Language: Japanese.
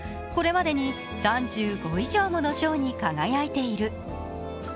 これまでに３５以上もの賞に輝いている。